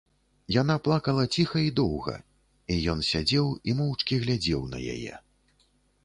Яна плакала ціха і доўга, і ён сядзеў і моўчкі глядзеў на яе.